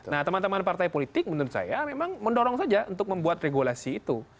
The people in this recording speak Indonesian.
nah teman teman partai politik menurut saya memang mendorong saja untuk membuat regulasi itu